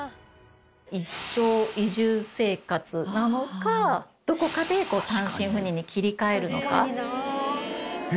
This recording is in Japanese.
一生移住生活なのかどこかで単身赴任に切り替えるのか。